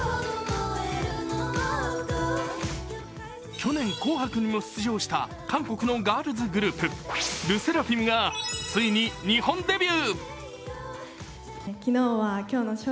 去年、「紅白」にも出場した韓国のガールズグループ、ＬＥＳＳＥＲＡＦＩＭがついに日本デビュー